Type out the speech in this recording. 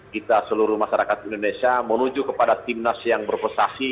kita seluruh masyarakat indonesia menuju kepada timnas yang berprestasi